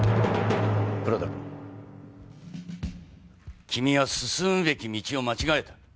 黒田君君は進むべき道を間違えた。